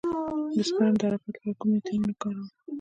د سپرم د حرکت لپاره کوم ویټامین وکاروم؟